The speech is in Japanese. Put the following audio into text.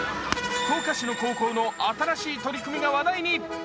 福岡市の高校の新しい取り組みが話題に。